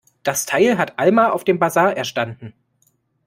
Das Teil hat Alma auf dem Basar erstanden.